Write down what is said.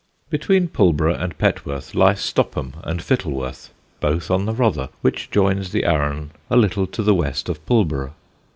Between Pulborough and Petworth lie Stopham and Fittleworth, both on the Rother, which joins the Arun a little to the west of Pulborough.